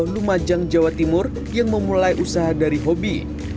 di rumajang jawa timur yang memulai usaha dari hobi